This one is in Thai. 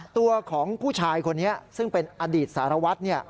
ตัวของผู้ชายคนนี้ซึ่งเป็นอดีตสารวัตร